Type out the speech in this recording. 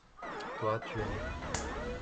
toi, tu aimes.